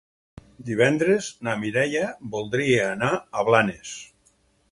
Divendres na Mireia voldria anar a Blanes.